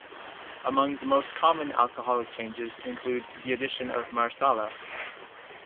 Among the most common alcoholic changes includes the addition of Marsala.